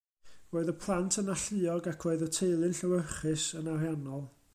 Roedd y plant yn alluog ac roedd y teulu'n llewyrchus, yn ariannol.